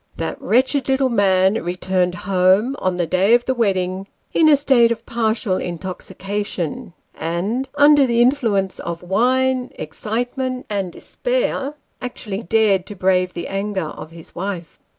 That wretched little man returned home, on the day of the wedding, in a state of partial intoxication ; and, under the influence of wine, excitement, and despair, actually dared to brave the anger of his wife.